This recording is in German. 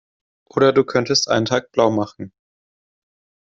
Oder du könntest einen Tag blaumachen.